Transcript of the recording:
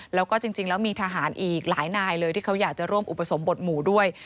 แล้วก็จริงแล้วมีทหารอีกหลายนายเลยที่เขาอยากจะร่วมอุปสมบทหมู่ด้วย